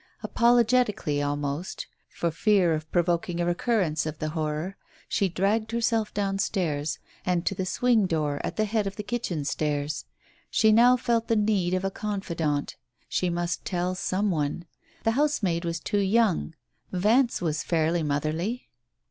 Apologetically almost, for fear of provoking a recurrence of the horror, she dragged herself downstairs, and to the swing door at the head of the kitchen stairs. She now felt the need of a confidante. She must tell some one. The housemaid was too young. Vance was fairly motherly.